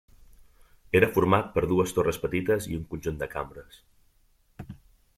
Era format per dues torres petites i un conjunt de cambres.